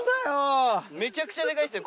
めちゃくちゃデカいっすね